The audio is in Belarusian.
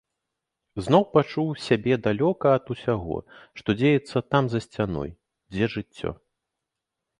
Зноў пачуў сябе далёка ад усяго, што дзеецца там, за сцяной, дзе жыццё.